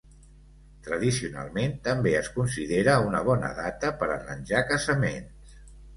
Tradicionalment també es considera una bona data per arranjar casaments.